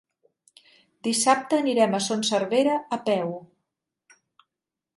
Dissabte anirem a Son Servera a peu.